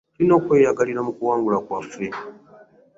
Tulina okweyagalira mu kuwangula kwaffe.